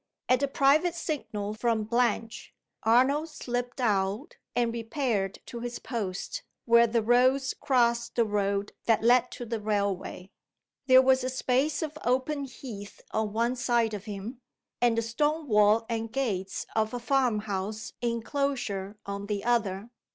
At a private signal from Blanche, Arnold slipped out and repaired to his post, where the roads crossed the road that led to the railway. There was a space of open heath on one side of him, and the stonewall and gates of a farmhouse inclosure on the other.